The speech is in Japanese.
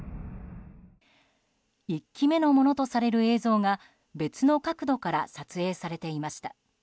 １機目のものとされる映像が別の角度から撮影されていました。